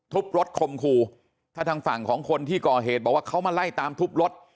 รถคมคู่ถ้าทางฝั่งของคนที่ก่อเหตุบอกว่าเขามาไล่ตามทุบรถ